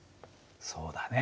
そうだね。